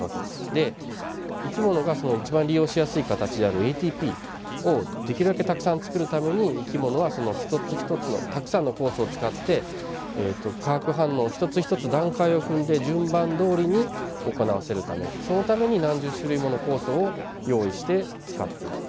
で生き物が一番利用しやすい形であるＡＴＰをできるだけたくさんつくるために生き物はその一つ一つのたくさんの酵素を使って化学反応一つ一つ段階を踏んで順番どおりに行わせるためそのために何十種類もの酵素を用意して使っている。